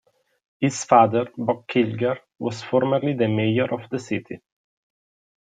His father, Bob Kilger, was formerly the mayor of the city.